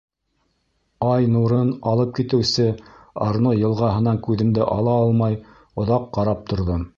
Ай нурын алып китеүсе Арно йылғаһынан күҙемде ала алмай оҙаҡ ҡарап торҙом.